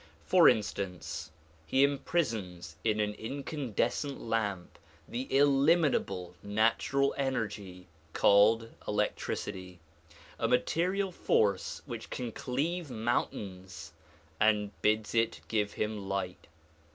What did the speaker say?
For instance, he imprisons in an in candescent lamp the illimitable natural energy called electricity — a material force which can cleave mountains — and bids it give him light.